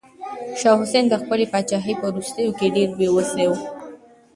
شاه حسين د خپلې پاچاهۍ په وروستيو کې ډېر بې وسه و.